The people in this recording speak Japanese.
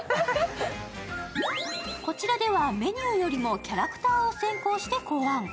こちらではメニューよりもキャラクターを先行して考案。